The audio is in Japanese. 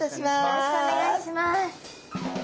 よろしくお願いします。